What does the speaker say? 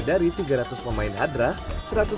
serta rukun dan bersatu